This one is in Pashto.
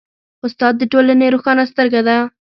استاد د ټولنې روښانه سترګه ده.